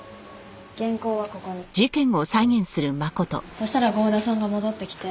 そしたら郷田さんが戻ってきて。